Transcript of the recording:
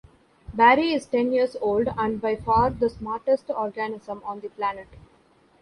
Barry is ten years old and by far the smartest organism on the planet.